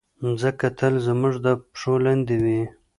مځکه تل زموږ د پښو لاندې وي.